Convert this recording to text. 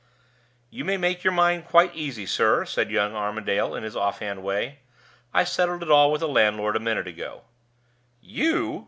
"You may make your mind quite easy, sir," said young Armadale, in his off hand way. "I settled it all with the landlord a minute ago." "You!"